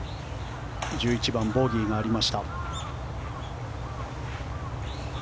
１１番、ボギーがありました。